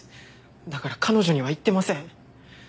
だから彼女には言ってません。